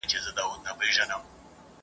په سړو اوبو د ډنډ کي لمبېدلې ..